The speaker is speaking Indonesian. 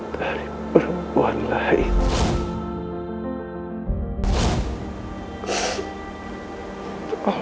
jangan sampai tak